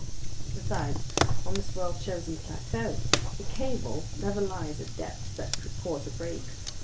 Besides, on this well chosen plateau, the cable never lies at depths that could cause a break.